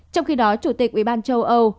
trong khi đó chủ tịch ubnd châu âu